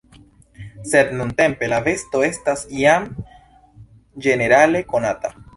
Sed nuntempe la besto estas jam ĝenerale konata.